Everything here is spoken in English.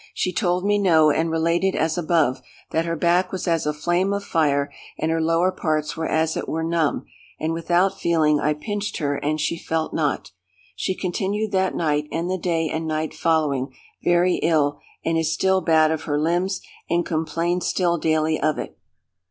She told me no; and related as above, that her back was as a flame of fire, and her lower parts were as it were numb, and without feeling. I pinched her, and she felt not. She continued that night, and the day and night following, very ill, and is still bad of her limbs, and complains still daily of it.